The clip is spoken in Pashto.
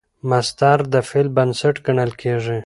مصدر د فعل بنسټ ګڼل کېږي.